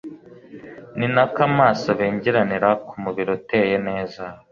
ni na ko amaso abengeranira ku mubiri uteye neza